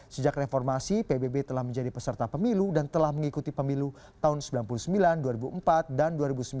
sejak reformasi pbb telah menjadi peserta pemilu dan telah mengikuti pemilu tahun seribu sembilan ratus sembilan puluh sembilan dua ribu empat dan dua ribu sembilan